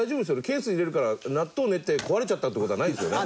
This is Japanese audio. ケースに入れるから納豆練って壊れちゃったっていう事はないですよね？